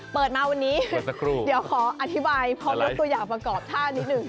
เปิดมาวันนี้เดี๋ยวขออธิบายพร้อมยกตัวอย่างประกอบท่านิดนึง